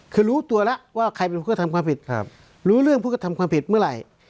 คือรู้ตัวแล้วว่าใครเป็นคนกระทำความผิดรู้เรื่องผู้กระทำความผิดเมื่อไหร่